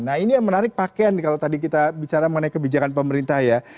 nah ini yang menarik pakaian kalau tadi kita bicara mengenai kebijakan pemerintah ya